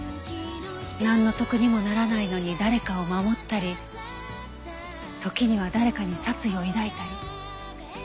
なんの得にもならないのに誰かを守ったり時には誰かに殺意を抱いたり。